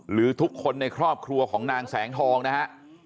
หรือทุกคนในครอบครัวของนางแสงทองนะฮะ